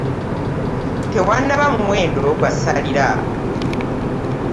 Tewannaba muwendo gwa ssalira.